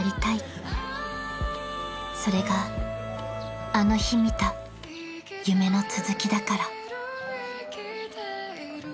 ［それがあの日見た夢の続きだから］